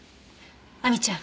亜美ちゃん